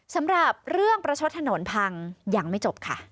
สำหรับเรื่องประชดถนนพังยังไม่จบค่ะ